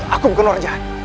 aku bukan orja